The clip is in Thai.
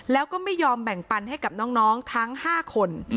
แล้วก็ไม่ยอมแบ่งปันให้กับน้องทั้ง๕คน